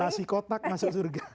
nasi kotak masya allah